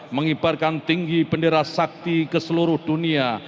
mengibarkan tinggi bendera sakti ke seluruh dunia